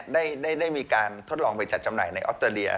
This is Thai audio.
ได้มีการทดลองไปจัดจำหน่ายในออสเตรเลีย